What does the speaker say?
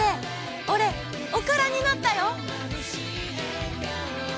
俺おからになったよ！